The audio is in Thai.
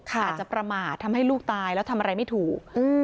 อาจจะประมาททำให้ลูกตายแล้วทำอะไรไม่ถูก